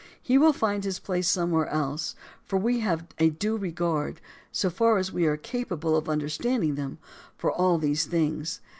He will find his place somewhere else; for we have a due regard, so far as we are capable of understanding them, for all these things.